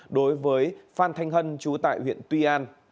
đối với phan thanh hân chú tại huyện tuy an